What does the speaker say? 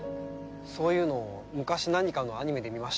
そういうの昔何かのアニメで見ました。